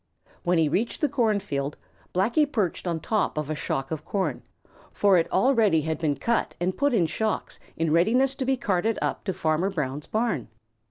When he reached the cornfield, Blacky perched on top of a shock of corn, for it already had been cut and put in shocks in readiness to be carted up to Farmer Brown's barn.